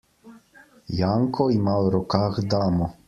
Janko ima v rokah damo.